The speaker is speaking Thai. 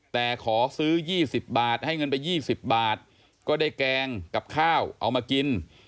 แต่ขอซื้อ๒๐บาทให้เงินไป๒๐บาทก็ได้แกงกับข้าวเอามากิน